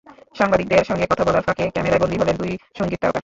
সাংবাদিকদের সঙ্গে কথা বলার ফাঁকে ক্যামেরায় বন্দী হলেন দুই সংগীত তারকা।